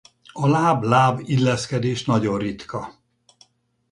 A láb–láb illeszkedés nagyon ritka.